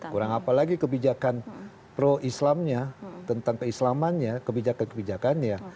kurang apa lagi kebijakan pro islamnya tentang keislamannya kebijakan kebijakannya